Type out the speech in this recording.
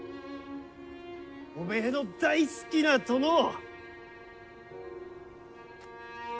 おめえの大好きな殿を。